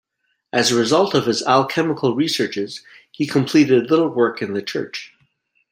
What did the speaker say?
As a result of his alchemical researches, he completed little work in the church.